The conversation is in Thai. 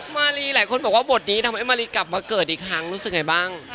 มารีหลายคนบอกว่าบทนี้ทำให้มารีกลับมาเกิดอีกครั้งรู้สึกไงบ้าง